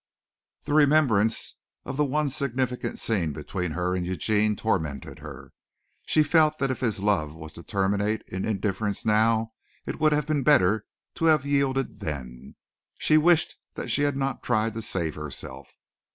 The remembrance of the one significant scene between her and Eugene tormented her. She felt that if his love was to terminate in indifference now it would have been better to have yielded then. She wished that she had not tried to save herself.